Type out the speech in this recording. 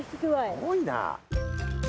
すごいな。